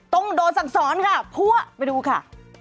ต้องโดนสั่งสอนค่ะพั่วไปดูค่ะ